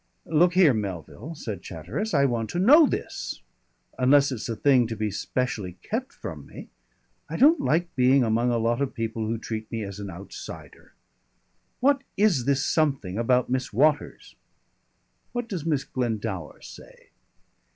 "Look here, Melville," said Chatteris, "I want to know this. Unless it's a thing to be specially kept from me.... I don't like being among a lot of people who treat me as an outsider. What is this something about Miss Waters?" "What does Miss Glendower say?"